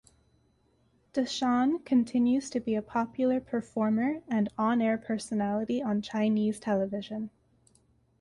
Dashan continues to be a popular performer and on-air personality on Chinese television.